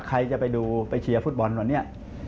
ใครจะไปดูไปเชียร์ฟุตบอลวันนี้